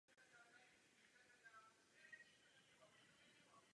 Lze však dohledat.